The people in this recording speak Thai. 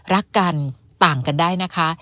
รักกันต่างกันได้นะคะ